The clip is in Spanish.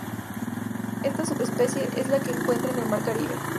Esta subespecie es la que se encuentra en el mar Caribe.